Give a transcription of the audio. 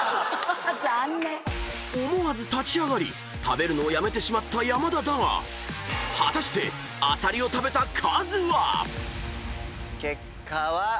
［思わず立ち上がり食べるのをやめてしまった山田だが果たしてアサリを食べた数は⁉］